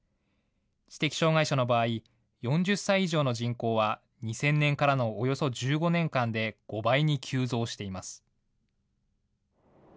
知的障害者の場合、４０歳以上の人口は、２０００年からのおよそ１５年間で５倍に急増しています。